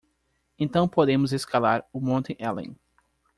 Então podemos escalar o Monte Helen